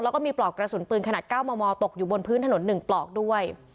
แล้วก็มีปลอกกระสุนปืนขนาด๙มมตกอยู่บนพื้นถนน๑ปลอกด้วย